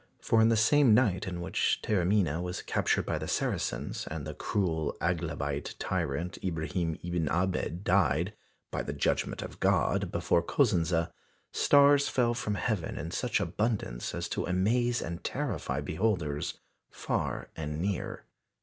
For in the same night in which Taormina was captured by the Saracens, and the cruel Aghlabite tyrant Ibrahim ibn Ahmed died "by the judgment of God" before Cosenza, stars fell from heaven in such abundance as to amaze and terrify beholders far and near.